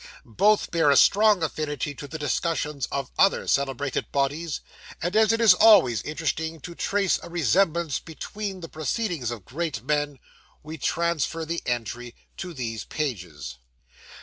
Both bear a strong affinity to the discussions of other celebrated bodies; and, as it is always interesting to trace a resemblance between the proceedings of great men, we transfer the entry to these pages.